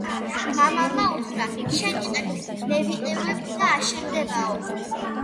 მამალმა უთხრა: შენ იყეფე, მე ვიყივლებ და აშენდებაო.